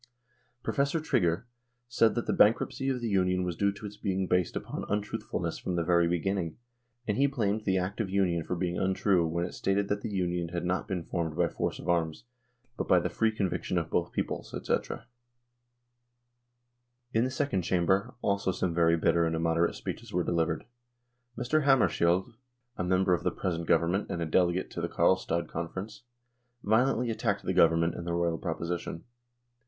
Professor Trygger said that the bankruptcy of the Union was due to its being based upon untruth fulness from the very beginning, and he blamed the Act of Union for being untrue when it stated that the Union had not been formed by force of arms, but by the free conviction of both peoples, &c. In the Second Chamber also some very bitter and immoderate speeches were delivered. Mr. Hammar skiold, a member of the present Government and a delegate to the Karlstad Conference, violently attacked the Government and the Royal proposition.